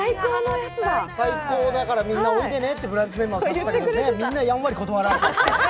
最高だから、みんなおいでねってブランチメンバー誘ったけど、みんなやんわり断られた。